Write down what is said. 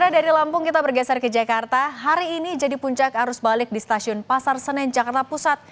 dari lampung kita bergeser ke jakarta hari ini jadi puncak arus balik di stasiun pasar senen jakarta pusat